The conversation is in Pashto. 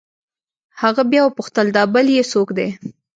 هغه بيا وپوښتل دا بل يې سوک دې.